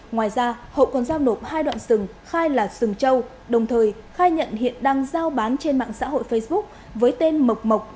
ngoài ra hậu còn giao nộp hai đoạn sừng khai là sừng châu đồng thời khai nhận hiện đang giao bán trên mạng xã hội facebook với tên mộc mộc